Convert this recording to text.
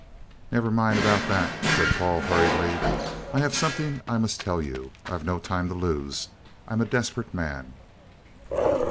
"Never mind about that," said Paul hurriedly; "I have something I must tell you I've no time to lose. I'm a desperate man!"